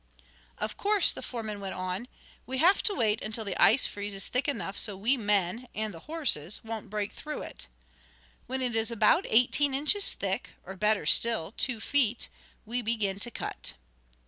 "Of course," the foreman went on, "we have to wait until the ice freezes thick enough so we men, and the horses won't break through it. When it is about eighteen inches thick, or, better still, two feet, we begin to cut.